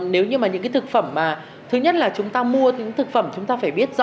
nếu như mà những cái thực phẩm mà thứ nhất là chúng ta mua những thực phẩm chúng ta phải biết rõ